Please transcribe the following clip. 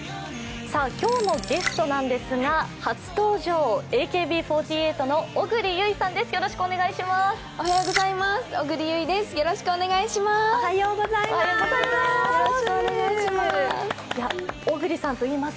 今日のゲストなんですが、初登場、ＡＫＢ４８の小栗有以さんです、よろしくお願いします。